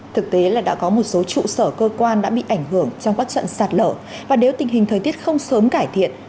thực tế là đã có một số trụ sở cơ quan đã bị ảnh hưởng trong các trận sạt lở và nếu tình hình thời tiết không sớm cải thiện